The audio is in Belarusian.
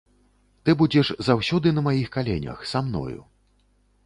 Ты будзеш заўсёды на маіх каленях, са мною.